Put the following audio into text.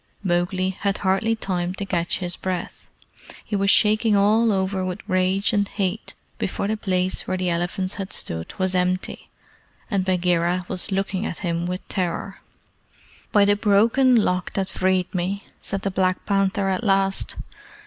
Mowgli had hardly time to catch his breath he was shaking all over with rage and hate before the place where the elephants had stood was empty, and Bagheera was looking at him with terror. "By the Broken Lock that freed me!" said the Black Panther at last.